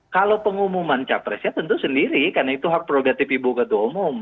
kalau pengumuman capresnya tentu sendiri karena itu hak prerogatif ibu ketua umum